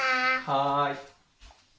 はい。